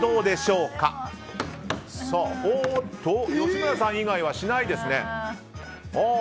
吉村さん以外はしないですね。